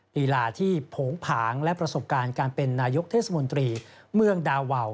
ลีลาที่โผงผางและประสบการณ์การเป็นนายกเทศมนตรีเมืองดาวาว